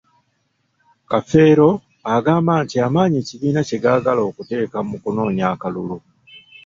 Kafeero agamba nti amaanyi ekibiina kye gaagala okuteeka mu kunoonya akalulu.